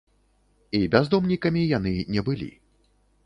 І бяздомнікамі яны не былі.